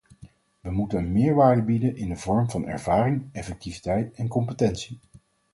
Wij moeten een meerwaarde bieden in de vorm van ervaring, effectiviteit en competentie.